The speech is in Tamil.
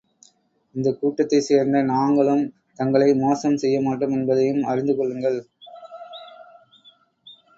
இந்தக் கூட்டத்தைச் சேர்ந்த நாங்களும் தங்களை மோசம் செய்ய மாட்டோம் என்பதையும் அறிந்து கொள்ளுங்கள்.